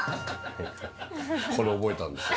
これ覚えたんですよ。